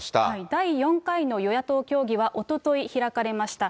第４回の与野党協議はおととい開かれました。